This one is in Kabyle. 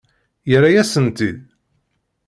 Yerra-yasen-tt-id?